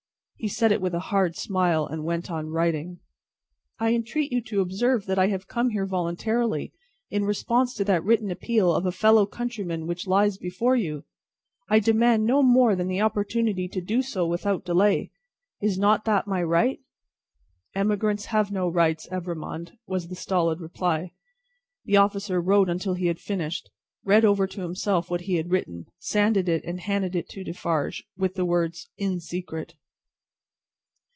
He said it with a hard smile, and went on writing. "I entreat you to observe that I have come here voluntarily, in response to that written appeal of a fellow countryman which lies before you. I demand no more than the opportunity to do so without delay. Is not that my right?" "Emigrants have no rights, Evrémonde," was the stolid reply. The officer wrote until he had finished, read over to himself what he had written, sanded it, and handed it to Defarge, with the words "In secret."